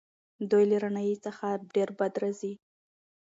دوی له رڼایي څخه ډېر بد راځي.